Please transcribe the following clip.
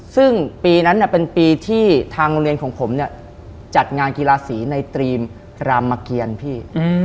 ซึ่งปีนั้นเป็นปีที่ทางโรงเรียนของผมเนี่ยจัดงานกีฬาสีในตรีมรามเกียรพี่